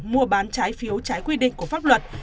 mua bán trái phiếu trái quy định của pháp luật